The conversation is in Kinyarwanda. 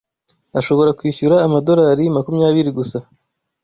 Ashobora kwishyura amadorari makumyabiri gusa.